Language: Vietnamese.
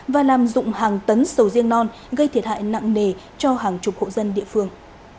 và làm dụng hàng tấn sầu riêng non gây thiệt hại nặng nề cho hàng chục hộ dân địa phương